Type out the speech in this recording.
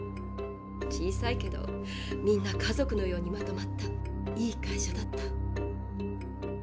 小さいけどみんな家族のようにまとまったいい会社だった。